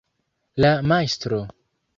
la Majstro